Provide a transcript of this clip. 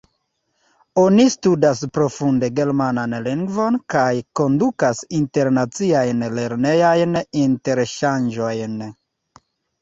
Oni studas profunde germanan lingvon kaj kondukas internaciajn lernejajn interŝanĝojn.